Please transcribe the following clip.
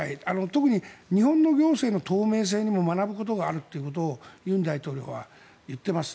特に日本の行政の透明性にも学ぶことがあるっていうことを尹大統領は言っています。